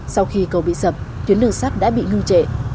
sau khi cầu bị sập tuyến đường sắt đã bị ngưng trệ